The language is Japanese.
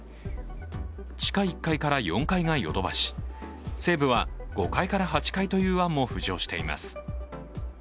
地下１階から４階がヨドバシ、西武は５階から８階という案も浮上しています。